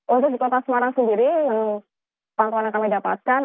untuk di kota semarang sendiri yang pantauan yang kami dapatkan